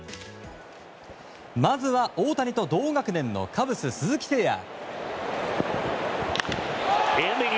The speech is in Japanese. まずは大谷と同学年のカブス、鈴木誠也。